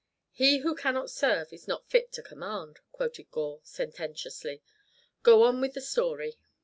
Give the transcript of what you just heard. "He who cannot serve is not fit to command," quoted Gore, sententiously. "Go on with the story."